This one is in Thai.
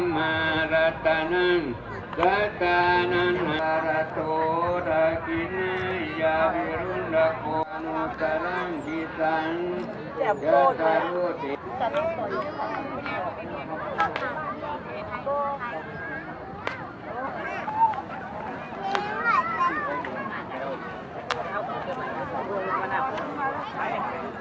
โปรดติดตามตอนต่อไป